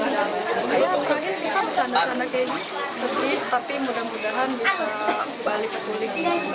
karena kayaknya sedih tapi mudah mudahan bisa balik ke pulik